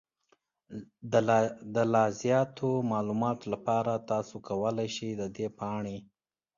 د لا زیاتو معلوماتو لپاره، تاسو کولی شئ د دې پاڼې